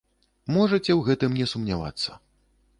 Можаце ў гэтым не сумнявацца.